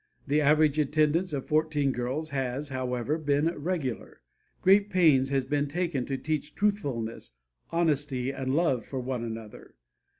The average attendance of fourteen girls has, however, been regular. Great pains has been taken to teach truthfulness, honesty and love for one another.